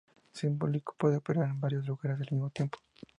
El símbolo puede operar en varios lugares al mismo tiempo.